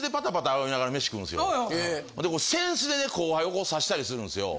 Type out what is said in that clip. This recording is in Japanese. ほんで扇子でね後輩を指したりするんですよ。